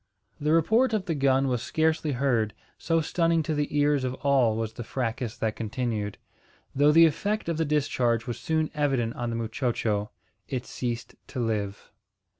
The report of the gun was scarcely heard, so stunning to the ears of all was the fracas that continued; though the effect of the discharge was soon evident on the muchocho. It ceased to live.